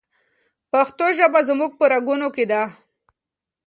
پښتو ژبه زموږ په رګونو کې ده.